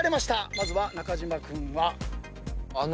まずは中島君は？